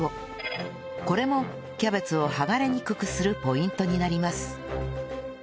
これもキャベツを剥がれにくくするポイントになります